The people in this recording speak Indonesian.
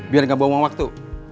biar gak bawa waktu